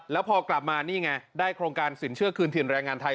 แล้วพอกลับมานี่ไงได้โครงการสินเชื่อคืนถิ่นแรงงานไทย